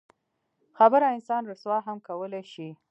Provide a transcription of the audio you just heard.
خبره انسان رسوا هم کولی شي.